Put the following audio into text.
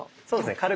そうですね。